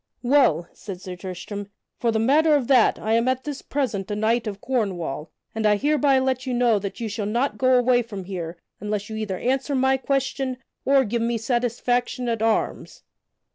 "Well," said Sir Tristram, "for the matter of that, I am at this present a knight of Cornwall, and I hereby let you know that you shall not go away from here unless you either answer my question or give me satisfaction at arms."